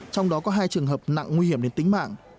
trong đó có hai trường hợp nặng nguy hiểm đến tính mạng